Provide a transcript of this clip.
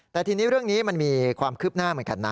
แต่ทีนี้เรื่องนี้มันมีความคืบหน้าเหมือนกันนะ